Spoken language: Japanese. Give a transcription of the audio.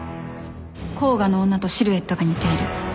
甲賀の女とシルエットが似ている。